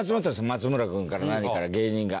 松村君から何から芸人が。